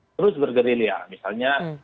terus bergerilya misalnya